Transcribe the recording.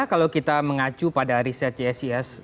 kalau kita mengacu pada riset csis